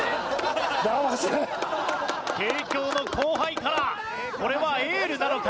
帝京の後輩からこれはエールなのか？